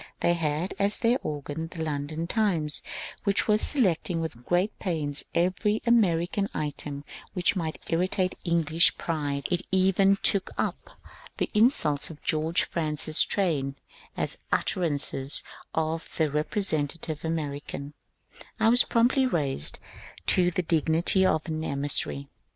They had as their organ the London " Times," which was selecting with g^at pains every Ameri can item which might irritate English pride. It even took up 392 MONCXJRE DANIEL CONWAY the insults of George Francis Train as utterances of a repre sentative American. I was promptly raised to the dignity of an ^* emissary.